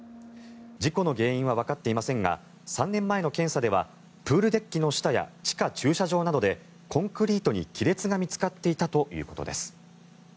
事故の原因はわかっていませんが３年前の検査ではプールデッキの下や地下駐車場などでコンクリートに亀裂が見つかっていたということです。